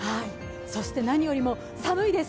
そして何よりも寒いです。